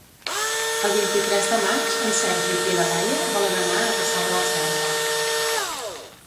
El vint-i-tres de maig en Sergi i na Laia volen anar a Cassà de la Selva.